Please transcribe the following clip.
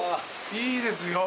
いいですよ。